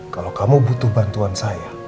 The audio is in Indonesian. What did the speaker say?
kalau kamu butuh bantuan saya